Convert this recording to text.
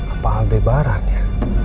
apa hal bebarannya